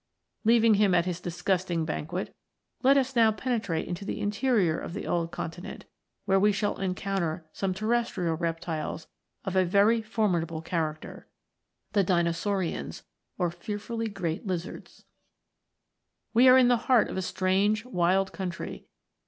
Leaving him at his disgusting banquet, let us now penetrate into the interior of the old continent, where we shall encounter some terrestrial reptiles of a very formidable character, f We are in the heart of a strange wild country.